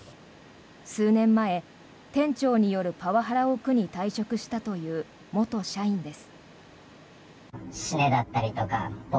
数年前、店長によるパワハラを苦に退職したという元社員です。